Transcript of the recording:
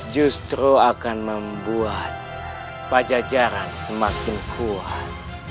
justru akan membuat pajajaran semakin kuat